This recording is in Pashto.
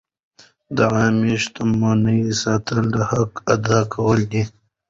د عامه شتمنیو ساتل د حق ادا کول دي.